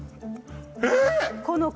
えっ！？